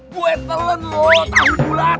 gue telan lo tahu bulat